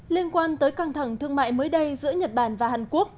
liên quan tới căng thẳng thương mại mới đây giữa nhật bản và hàn quốc